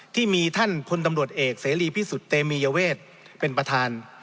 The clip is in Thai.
ที่มีท่านพลตำรวจเอกเสรีพิสุทธิเตมียเวทเป็นประธาน